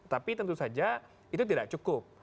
tapi tentu saja itu tidak cukup